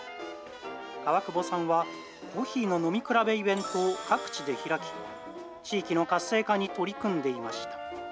川久保さんはコーヒーの飲み比べイベントを各地で開き、地域の活性化に取り組んでいました。